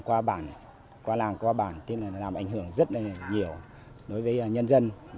qua bản qua làng qua bản làm ảnh hưởng rất nhiều đối với nhân dân